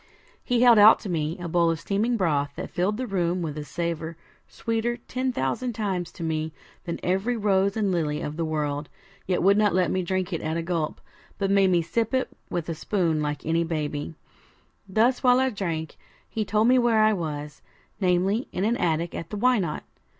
He held out to me a bowl of steaming broth, that filled the room with a savour sweeter, ten thousand times, to me than every rose and lily of the world; yet would not let me drink it at a gulp, but made me sip it with a spoon like any baby. Thus while I drank, he told me where I was, namely, in an attic at the Why Not?